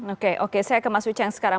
oke oke saya ke mas uceng sekarang